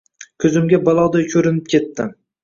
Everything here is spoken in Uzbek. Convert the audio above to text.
Koʻzimga baloday koʻrinib ketdi.